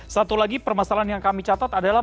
satu lagi permasalahan yang kami catat adalah